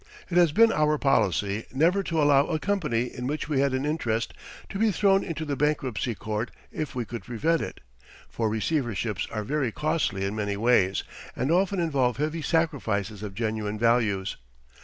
It has been our policy never to allow a company in which we had an interest to be thrown into the bankruptcy court if we could prevent it; for receiverships are very costly in many ways and often involve heavy sacrifices of genuine values.